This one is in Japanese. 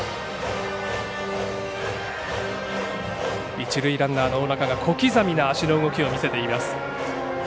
一塁ランナーの大仲が小刻みな足の動きを見せています。